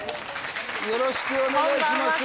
よろしくお願いします